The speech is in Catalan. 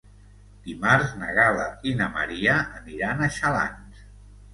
Dimarts na Gal·la i na Maria aniran a Xalans.